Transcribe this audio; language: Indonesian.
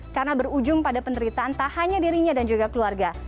karena berujung pada penderitaan tak hanya dirinya dan juga keluarga